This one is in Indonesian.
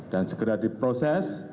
dan segera diproses